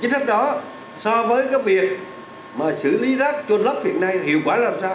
chính sách đó so với cái việc mà xử lý rác trôn lấp hiện nay hiệu quả làm sao